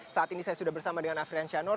saat ini saya sudah bersama dengan afrian shanur